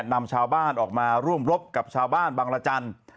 นำชาวบ้านออกมาร่วมรบกับชาวบ้านบังรจันทร์